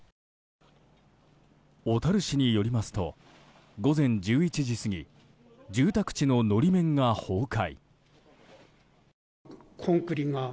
小樽市によりますと午前１１時過ぎ住宅地の法面が崩壊。